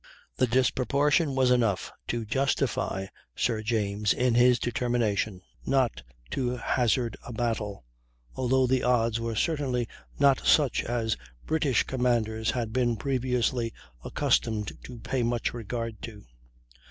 The disproportion was enough to justify Sir James in his determination not to hazard a battle, although the odds were certainly not such as British commanders had been previously accustomed to pay much regard to.